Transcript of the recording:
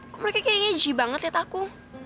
kok mereka kayaknya jee banget liat aku